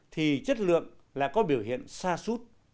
thì chất lượng lại có biểu hiện xa suốt